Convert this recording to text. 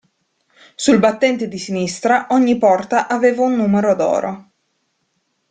Sul battente di sinistra, ogni porta aveva un numero d'oro.